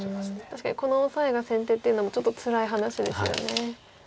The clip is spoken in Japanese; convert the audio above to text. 確かにこのオサエが先手っていうのもちょっとつらい話ですよね。